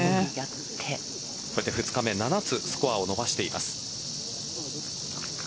２日目７つスコアを伸ばしています。